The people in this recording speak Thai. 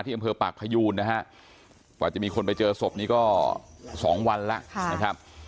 อำเภอปากพยูนนะฮะกว่าจะมีคนไปเจอศพนี้ก็๒วันแล้วนะครับ